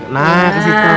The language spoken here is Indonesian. nah kasih itu